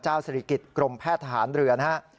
เจ้าศรีกิจกรมแพทย์ทหารเรือน